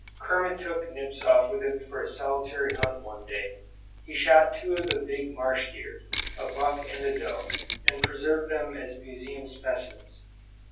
Kermit took Nips off with him for a solitary hunt one day. He shot two of the big marsh deer, a buck and a doe, and preserved them as museum specimens.